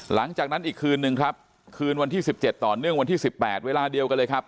หลังจากนั้นอีกคืนนึงครับคืนวันที่๑๗ต่อเนื่องวันที่๑๘เวลาเดียวกันเลยครับ